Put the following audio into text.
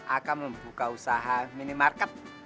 akan membuka usaha minimarket